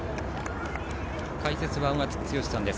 解説は、尾方剛さんです。